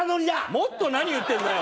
もっと何言ってんだよ！